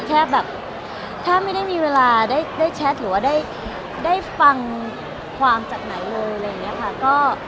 แค่แบบถ้าไม่ได้มีเวลาได้แชทหรือว่าได้ฟังความจากไหนเลยอะไรอย่างนี้ค่ะ